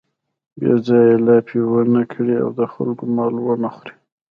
بې ځایه لاپې و نه کړي او د خلکو مال و نه خوري.